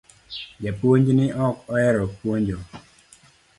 Japuonj ni ok ohero puonjo